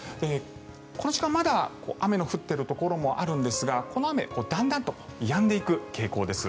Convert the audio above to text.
この時間、まだ雨の降っているところもあるんですがこの雨、だんだんとやんでいく傾向です。